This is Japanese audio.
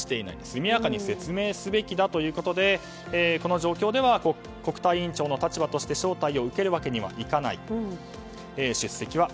速やかに説明すべきだということでこの状況では国対委員長の立場として招待を受けるわけにはいかない